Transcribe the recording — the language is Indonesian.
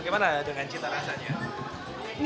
bagaimana dengan cita rasanya